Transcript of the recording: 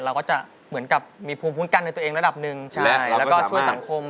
เราก็จะเหมือนกับมีภูมิคุ้มกันในตัวเองระดับหนึ่งแล้วก็ช่วยสังคม